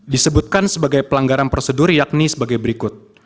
disebutkan sebagai pelanggaran prosedur yakni sebagai berikut